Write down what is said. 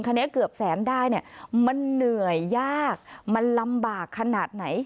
นี้เกือบแสนได้เนี่ยมันเหนื่อยยากมันลำบากขนาดไหน